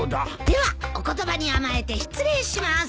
ではお言葉に甘えて失礼します。